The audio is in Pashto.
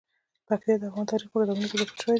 پکتیا د افغان تاریخ په کتابونو کې ذکر شوی دي.